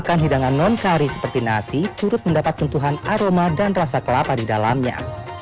dan hidangan non kari seperti nasi turut mendapat sentuhan aroma dan rasa kelapa di dalamnya